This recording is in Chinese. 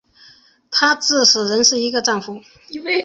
他至死仍是一位战俘。